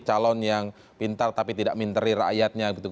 calon yang pintar tapi tidak minteri rakyatnya gitu